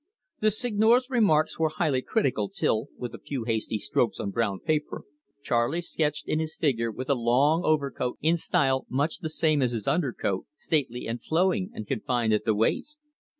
The Seigneur's remarks were highly critical, till, with a few hasty strokes on brown paper, Charley sketched in his figure with a long overcoat in style much the same as his undercoat, stately and flowing and confined at the waist.